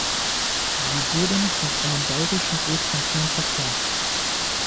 Sie wurden von einem bayerischen Großkonzern verklagt.